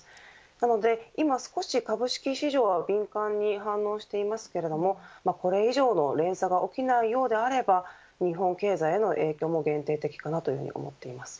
なので、今少し株式市場は敏感に反応していますけれどこれ以上の連鎖が起きないようであれば日本経済への影響も限定的かなと思っています。